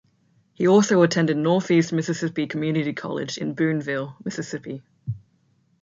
He also attended Northeast Mississippi Community College in Booneville, Mississippi.